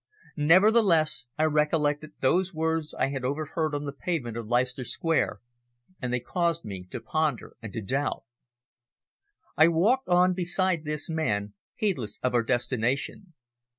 Nevertheless, I recollected those words I had overheard on the pavement of Leicester Square, and they caused me to ponder and to doubt. I walked on beside this man, heedless of our destination.